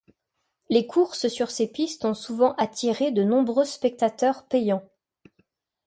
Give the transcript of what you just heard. Les course sur ces pistes ont souvent attiré de nombreux spectateurs payants.